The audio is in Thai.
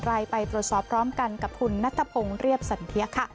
รายไปโตรสอบพร้อมกันกับคุณนักตะพงค์เรียบสันเทียกค่ะ